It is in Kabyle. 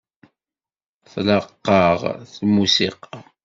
Tlaq-aɣ lmusiqa.